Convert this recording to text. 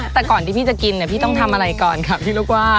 แต่ก่อนที่พี่จะกินเนี่ยพี่ต้องทำอะไรก่อนค่ะพี่ลูกว่า